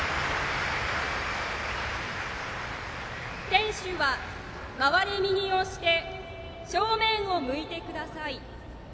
選手は回れ右をして正面を向いてください。